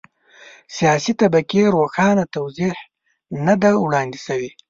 سیاسي طبقې روښانه توضیح نه ده وړاندې شوې.